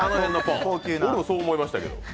俺もそう思いましたけど。